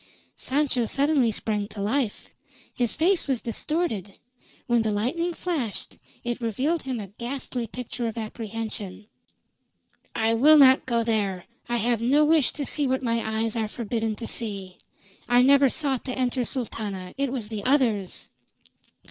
Sancho suddenly sprang to life. His face was distorted; when the lightning flashed it revealed him a ghastly picture of apprehension. "I will not go there! I have no wish to see what my eyes are forbidden to see. I never sought to enter, Sultana. It was the others!"